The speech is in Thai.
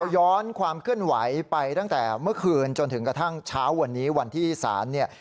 ย้อนความเคลื่อนไหวไปตั้งแต่เมื่อคืนจนถึงกระทั่งเช้าวันนี้วันที่ศาลเนี่ย